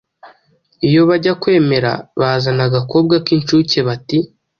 Iyo bajya kwemera bazana agakobwa k’inshuke bati: “